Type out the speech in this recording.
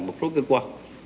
một số cơ quan